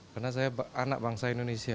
karena saya anak bangsa indonesia